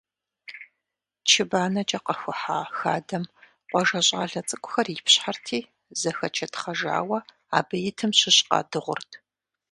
Чы банэкӏэ къэхухьа хадэм къуажэ щӏалэ цӏыкӏухэр ипщхьэрти, зэхэчэтхъэжауэ абы итым щыщ къадыгъурт.